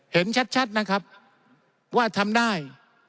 เห็นชัดนะครับว่าทำได้